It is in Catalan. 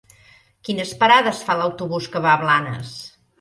Quines parades fa l'autobús que va a Blanes?